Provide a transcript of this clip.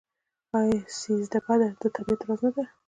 آیا سیزده بدر د طبیعت ورځ نه ده؟